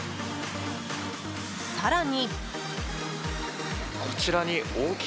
更に。